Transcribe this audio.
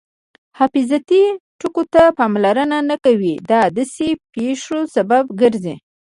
حفاظتي ټکو ته پاملرنه نه کول د داسې پېښو سبب ګرځي.